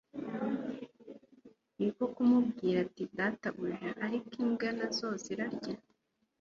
Niko kumubwira ati : "Databuja ariko imbwa na zo zirya